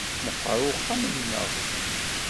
Meqqer uxxam-nneɣ.